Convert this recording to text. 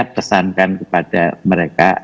pesankan kepada mereka